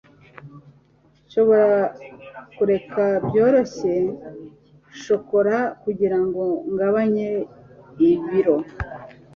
nshobora kureka byoroshye shokora kugirango ngabanye ibiro